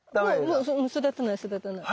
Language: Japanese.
もう育たない育たない。